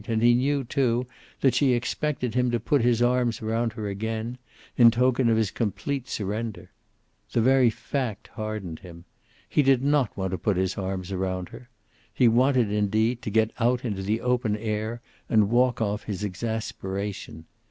And he knew, too, that she expected him to put his arms around her again, in token of his complete surrender. The very fact hardened him. He did not want to put his arms around her. He wanted, indeed, to get out into the open air and walk off his exasperation.